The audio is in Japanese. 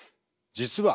実は。